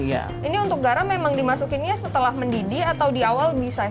ini untuk garam memang dimasukinnya setelah mendidih atau di awal bisa